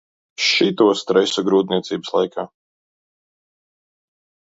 Šito stresu grūtniecības laikā.